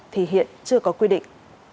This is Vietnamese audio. thì hiện chưa có quy định